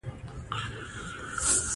سپین ږیری د نورو خلکو د مشکلاتو اورېدونکي دي